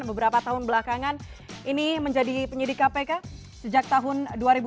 beberapa tahun belakangan ini menjadi penyidik kpk sejak tahun dua ribu